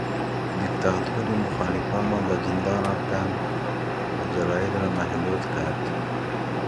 دیکتاتور مخالفان را به زندان افکند و جراید را محدود کرد.